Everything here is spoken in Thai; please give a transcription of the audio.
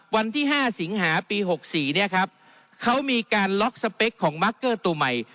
วันที่๕สิงหาปี๖๔เนี่ยครับเขามีการล็อกสเปคของมาร์คเกอร์ตัวใหม่